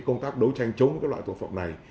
công tác đấu tranh chống loại tổ phận này